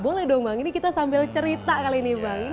boleh dong bang ini kita sambil cerita kali ini bang